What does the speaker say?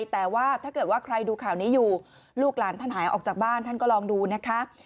แต่ว่าถ้าเกิดว่าใครดูข่าวนี้อยู่ลูกหลานท่านหายออกจากบ้านท่านก็ลองดูนะคะ